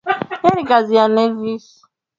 Alikwenda kwa Punja Kara Haji ambae alimweleza Karume